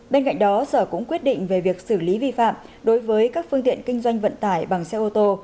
bên cạnh đó sở cũng quyết định về việc xử lý vi phạm đối với các phương tiện kinh doanh vận tải bằng xe ô tô